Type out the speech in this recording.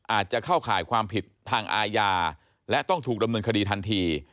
อาจจะเข้าข่ายความผิดทางอาญาและต้องถูกดำเนินคดีทันที